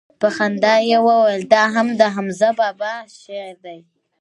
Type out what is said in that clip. په خندا يې وويل دا هم دحمزه بابا شعر دىه.